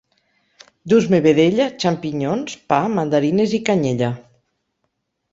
Dus-me vedella, xampinyons, pa, mandarines i canyella